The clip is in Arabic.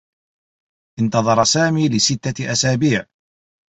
انتظر سامي لستّة أسابيع.